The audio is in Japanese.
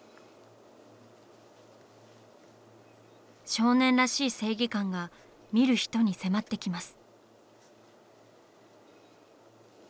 少年らしい正義感が見る人に迫ってきます。